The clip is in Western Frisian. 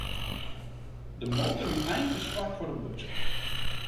De motor wie eink te swak foar de bus.